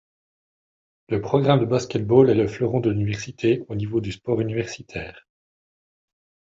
Le programme de basketball est le fleuron de l'université au niveau du sport universitaire.